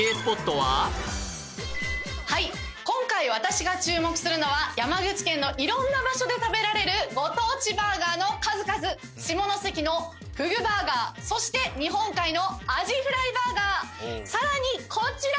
はい今回私が注目するのは山口県のいろんな場所で食べられるご当地バーガーの数々下関のふぐバーガーそして日本海のあじフライバーガー更にこちら！